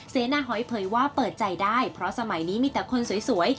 เสนาหอยเผยว่าเปิดใจได้เพราะสมัยนี้มีแต่คนสวย